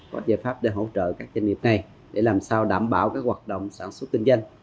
có giải pháp để hỗ trợ các doanh nghiệp này để làm sao đảm bảo hoạt động sản xuất kinh doanh